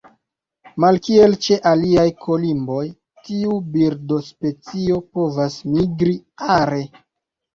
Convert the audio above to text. Malkiel ĉe aliaj kolimboj, tiu birdospecio povas migri are.